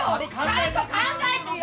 ちゃんと考えてよ！